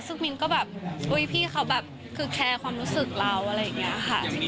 ซึ่งมินก็แบบอุ๊ยพี่เขาแบบคือแคร์ความรู้สึกเราอะไรอย่างนี้ค่ะ